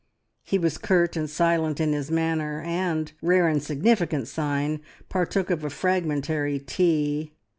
He was curt and silent in his manner, and rare and significant sign! partook of a fragmentary tea.